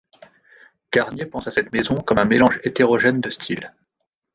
Garnier pense à cette maison comme à un mélange hétérogène de styles.